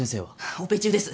オペ中です。